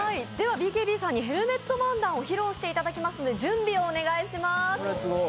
ＢＫＢさんにヘルメット漫談を披露していただくので、準備をお願いします。